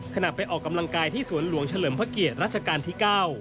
ขณะไปออกกำลังกายที่สวนหลวงเฉลิมพระเกียรติรัชกาลที่๙